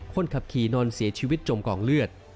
คนขับขี่นอนเสียชีวิตจมกองเลือด